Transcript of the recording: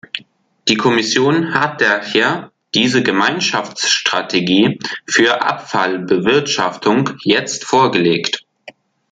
Die Kommission hat daher diese Gemeinschaftsstrategie für Abfallbewirtschaftung jetzt vorgelegt.